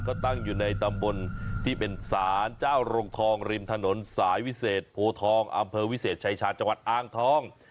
ก็ตั้งอยู่ในตำบลที่เป็นศาลเจ้าโรงทองริมถนนสายวิเศษโพทองอำเภอวิเศษชายชาญจังหวัดอ้างทอง